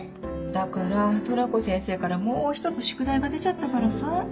だからトラコ先生からもう一つ宿題が出ちゃったからさ。